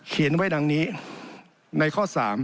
เขียนไว้ดังนี้ในข้อ๓